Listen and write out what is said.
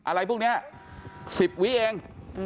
อะไรพวกนี้๑๐วิเอง